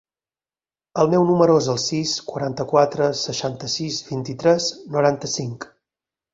El meu número es el sis, quaranta-quatre, seixanta-sis, vint-i-tres, noranta-cinc.